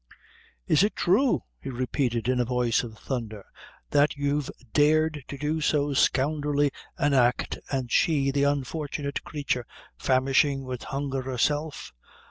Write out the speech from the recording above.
"Is it thrue," he repeated, in a voice of thunder, "that you've dared to do so scoundrelly an act, an' she, the unfortunate creature, famishing wid hunger herself?"